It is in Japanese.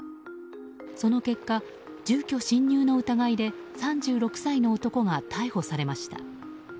その結果、住居侵入の疑いで３６歳の男が逮捕されました。